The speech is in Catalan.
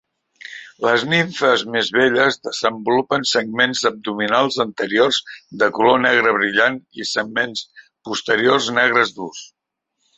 Les nimfes més velles desenvolupen segments abdominals anteriors de color negre brillant i segments posteriors negres durs.